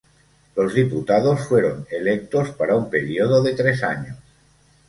Los diputados fueron electos para un periodo de tres años.